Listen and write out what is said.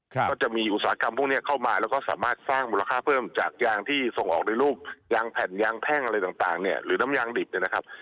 ก็จะมีอุตสาหกรรมพวกนี้เข้ามาแล้วก็สามารถสร้างมูลค่าเพิ่มจากยางที่ส่งออกในรูปยางแผ่นยางแท่งอะไรต่างเนี่ยหรือน้ำยางดิบเนี่ยนะครับ